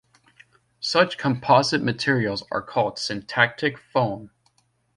Such composite materials are called syntactic foam.